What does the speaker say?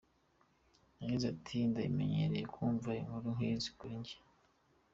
Yagize ati “Ndabimenyereye kumva inkuru nk’izi kuri njye.